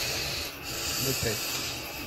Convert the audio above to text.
nos têtes.